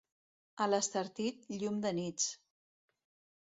A l'Estartit, llum de nits.